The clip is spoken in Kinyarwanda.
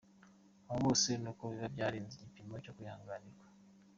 Abo bose ni uko biba byarenze igipimo cyo kwihanganirwa.